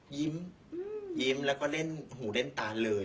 ยิ้มยิ้มแล้วก็เล่นหูเล่นตาเลย